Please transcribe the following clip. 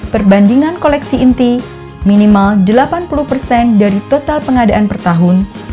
perbandingan koleksi inti minimal delapan puluh persen dari total pengadaan per tahun